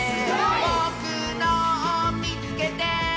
「ぼくのをみつけて！」